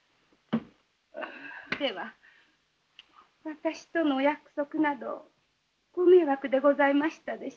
では私とのお約束などご迷惑でございましたでしょう？